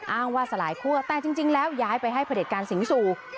อ้างว่าสลายคั่วแต่จริงแล้วย้ายไปให้พระเด็จการสิงสู่